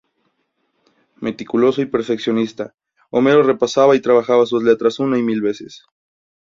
Meticuloso y perfeccionista, Homero repasaba y trabajaba sus letras una y mil veces.